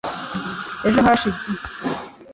ejo hashize